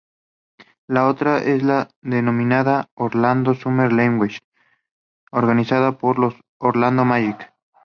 La otra es la denominada "Orlando Summer League", organizada por los Orlando Magic.